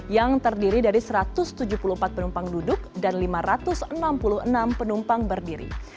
yang terdiri dari satu ratus tujuh puluh empat penumpang duduk dan lima ratus enam puluh enam penumpang berdiri